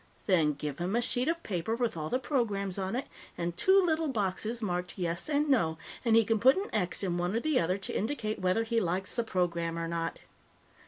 Then give him a sheet of paper with all the programs on it and two little boxes marked Yes and No, and he can put an X in one or the other to indicate whether he likes the program or not.